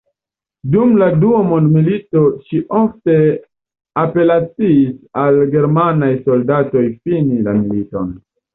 Dum la Dua Mondmilito ŝi ofte apelaciis al la germanaj soldatoj fini la militon.